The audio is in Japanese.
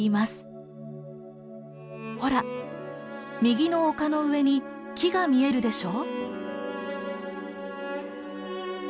ほら右の丘の上に木が見えるでしょう。